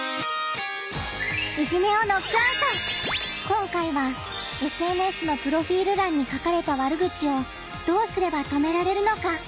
今回はＳＮＳのプロフィール欄に書かれた悪口をどうすれば止められるのか考えるよ！